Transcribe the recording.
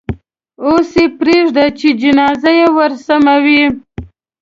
اوس یې پرېږده چې جنازه یې ورسموي.